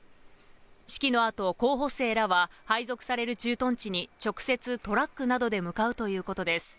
式のあと、候補生らは配属される駐屯地に直接トラックなどで向かうということです。